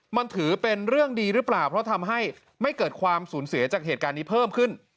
มันถือเป็นเรื่องดีหรือเปล่าเพราะทำให้ไม่เกิดความสูญเสียจากเหตุการณ์นี้เพิ่มขึ้น